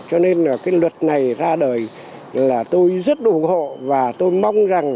cho nên là cái luật này ra đời là tôi rất ủng hộ